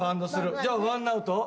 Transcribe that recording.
じゃあワンアウト？